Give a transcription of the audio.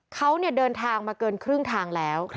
เขาเดินทางมาเกินครึ่งทางแล้ว